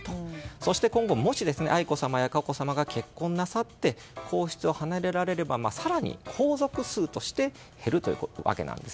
そして今後もし、愛子さまや佳子さまが結婚なさって皇室を離れられれば更に皇族数が減るわけなんです。